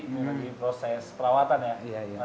ini lagi proses perawatan ya mas zainal